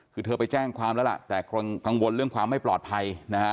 คือเธอไปแจ้งความแล้วล่ะแต่กังวลเรื่องความไม่ปลอดภัยนะฮะ